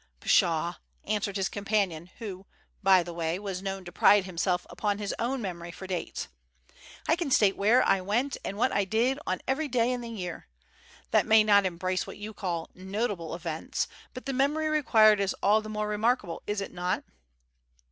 "Pshaw!" answered his companion, who, by the way, was known to pride himself upon his own memory for dates, "I can state where I went and what I did on every day in the year. That may not embrace what you call 'notable events,' but the memory required is all the more remarkable, is it not?"